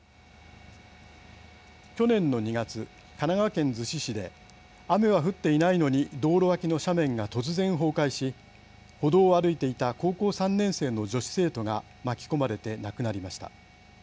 去年の２月、神奈川県逗子市で雨は降っていないのに道路脇の斜面が突然、崩壊し歩道を歩いていた高校３年生の女子生徒が巻き込まれて亡くなりました。